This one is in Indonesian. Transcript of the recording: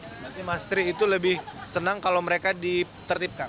berarti mas tri itu lebih senang kalau mereka ditertipkan